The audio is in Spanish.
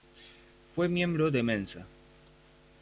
Fue miembro de Mensa.